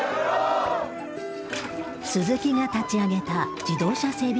鈴木が立ち上げた自動車整備